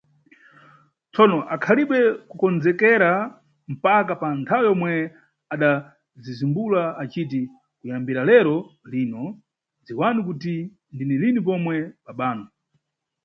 Tsono akhalibe kukondzekera mpaka pa nthawe yomwe adadzazimbula aciti, kuyambira lero lino, dziwani kuti ndine lini pomwe babanu.